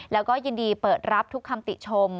แล้วก็ยินดีเปิดรับทุกคำติชม